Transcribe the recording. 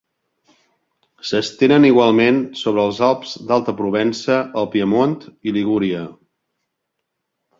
S'estenen igualment sobre els Alps d'Alta Provença, el Piemont i Ligúria.